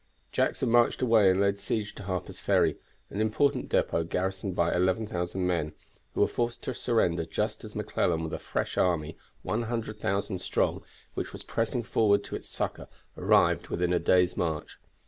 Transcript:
Jackson marched away and laid siege to Harper's Ferry, an important depot garrisoned by 11,000 men, who were forced to surrender just as McClellan with a fresh army, 100,000 strong, which was pressing forward to its succor, arrived within a day's march.